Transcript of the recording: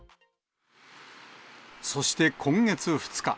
そして今月２日。